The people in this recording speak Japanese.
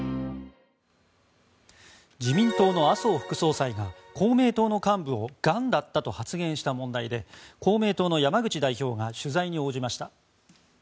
自民党の麻生副総裁が公明党の幹部をがんだったと発言した問題で公明党の山口代表が取材に応じました。